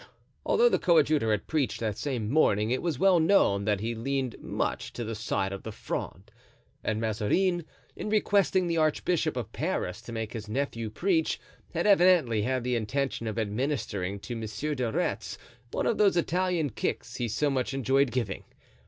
Although the coadjutor had preached that same morning it was well known that he leaned much to the side of the Fronde; and Mazarin, in requesting the archbishop of Paris to make his nephew preach, had evidently had the intention of administering to Monsieur de Retz one of those Italian kicks he so much enjoyed giving.